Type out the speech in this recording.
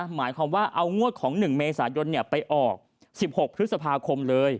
หมายความว่าเอางวด๑เมษายนไปออก๑๖พฤศพาคม